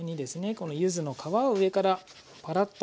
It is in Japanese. この柚子の皮を上からパラッと。